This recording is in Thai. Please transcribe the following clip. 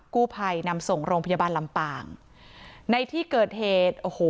กู้ภัยนำส่งโรงพยาบาลลำปางในที่เกิดเหตุโอ้โห